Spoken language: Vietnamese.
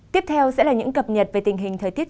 tiếp theo sẽ là những cập nhật về tình hình thời tiết